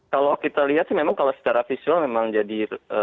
kalau kita lihat sih memang kalau secara visual memang jadi